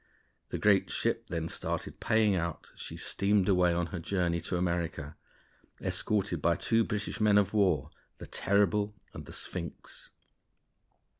The great ship then started paying out as she steamed away on her journey to America, escorted by two British men of war, the Terrible and the Sphinx.